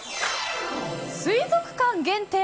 水族館限定